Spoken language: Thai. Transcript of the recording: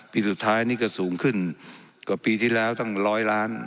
ปีสุดท้ายนี่ก็สูงขึ้นกว่าปีที่แล้วตั้งร้อยล้าน